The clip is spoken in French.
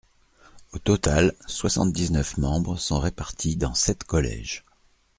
Au total, soixante-dix-neuf membres sont répartis dans sept collèges.